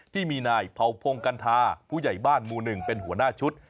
ที่มีนายเผาพงกัณฑาผู้ใหญ่บ้านหมู่๑เป็นหัวหน้าชุด